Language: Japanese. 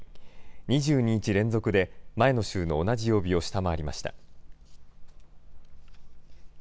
２２日連続で、前の週の同じ曜日を下回りました。